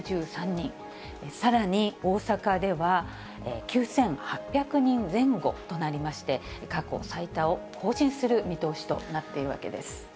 さらに大阪では、９８００人前後となりまして、過去最多を更新する見通しとなっているわけです。